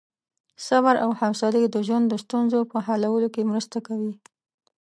صبر او حوصلې د ژوند د ستونزو په حلولو کې مرسته کوي.